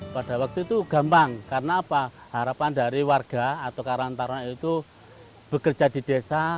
pada waktu itu gampang karena apa harapan dari warga atau karang taruna itu bekerja di desa